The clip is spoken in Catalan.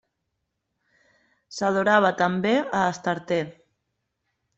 S'adorava també a Astarte.